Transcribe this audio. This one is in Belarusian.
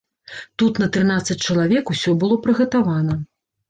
Тут на трынаццаць чалавек усё было прыгатавана.